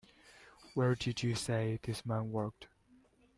Where did you say this man worked?